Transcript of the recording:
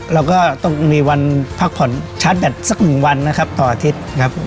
เราก็ต้องมีวันพักผ่อนชาร์จแบตสักหนึ่งวันนะครับต่ออาทิตย์ครับ